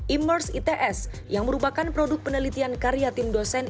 immerce its yang merupakan produk penelitian karya tim dosen